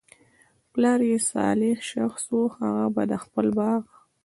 پلار ئي صالح شخص وو، هغه به د خپل باغ